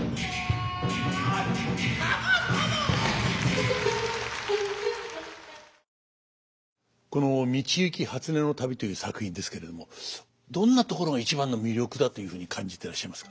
まっさかさまこの「道行初音旅」という作品ですけれどもどんなところが一番の魅力だというふうに感じてらっしゃいますか？